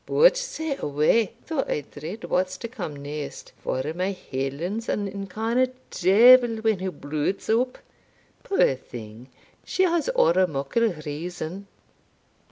But say away though I dread what's to come neist for my Helen's an incarnate devil when her bluid's up puir thing, she has ower muckle reason."